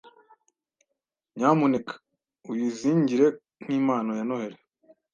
Nyamuneka uyizingire nk'impano ya Noheri.